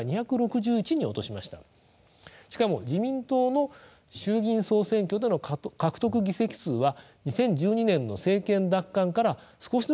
しかも自民党の衆議院総選挙での獲得議席数は２０１２年の政権奪還から少しずつ落ちています。